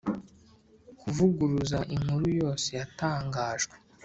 Kuvuguruza inkuru yose yatangajwe